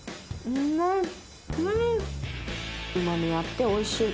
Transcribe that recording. うまみがあって美味しい。